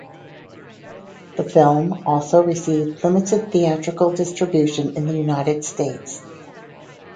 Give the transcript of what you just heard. The film also received limited theatrical distribution in the United States.